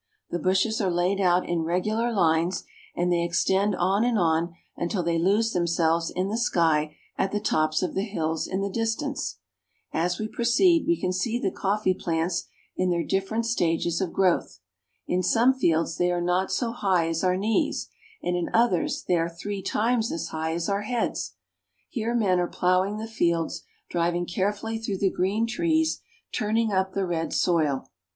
The bushes are laid out in regular Hnes, and they extend on and on until they lose themselves in the sky at the tops of the hills in the distance. As we proceed we can see the coffee plants in their THE LAND OF COFFEE. 261 different stages of growth. In some fields they are not so high as our knees, and in others they are three times as high as our heads. Here men are plowing the fields, driving carefully through the green trees, turning up the red soil.